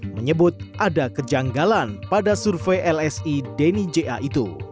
menyebut ada kejanggalan pada survei lsidnija itu